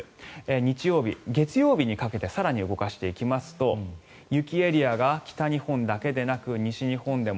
日曜日、月曜日にかけて更に動かしていきますと雪エリアが北日本だけでなく西日本でも。